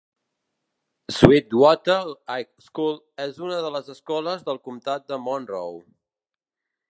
Sweetwater High School és una de les escoles del comtat de Monroe.